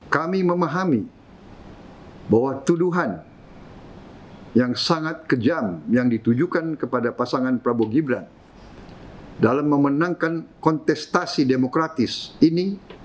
kami memahami bahwa tuduhan yang sangat kejam yang ditujukan kepada pasangan prabowo gibran dalam memenangkan kontestasi demokratis ini